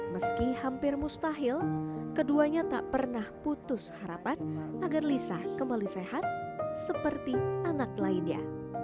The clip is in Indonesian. meski hampir mustahil keduanya tak pernah putus harapan agar lisa kembali sehat seperti anak lainnya